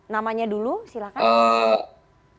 namanya dulu silakan